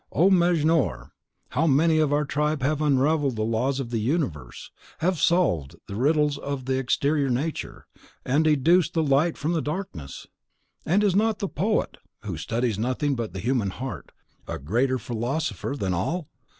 O Mejnour! how many of our tribe have unravelled the laws of the universe, have solved the riddles of the exterior nature, and deduced the light from darkness! And is not the POET, who studies nothing but the human heart, a greater philosopher than all?